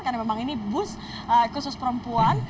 karena memang ini bus khusus perempuan